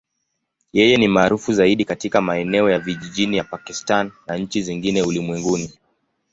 Yeye ni maarufu zaidi katika maeneo ya vijijini ya Pakistan na nchi zingine ulimwenguni.